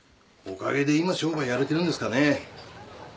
おかげで今商売やれてるんですかね。